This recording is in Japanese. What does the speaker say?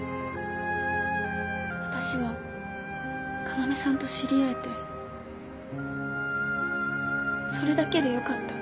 私は要さんと知り合えてそれだけで良かった。